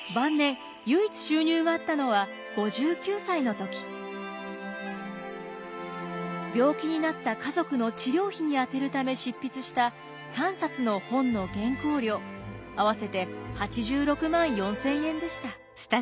研究に没頭し病気になった家族の治療費に充てるため執筆した３冊の本の原稿料合わせて８６万４，０００円でした。